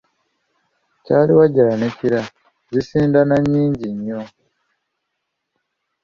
Kyaliwajjala ne kira zisindana nnyingi nnyo.